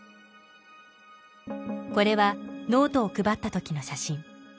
これはノートを配った時の写真